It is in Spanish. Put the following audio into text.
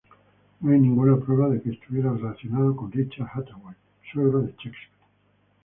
No hay ninguna prueba de que estuviera relacionado con Richard Hathaway, suegro de Shakespeare.